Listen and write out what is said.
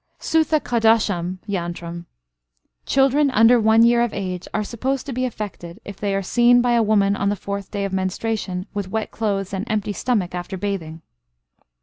Suthakadosham yantram. Children under one year of age are supposed to be affected, if they are seen by a woman on the fourth day of menstruation with wet clothes and empty stomach after bathing.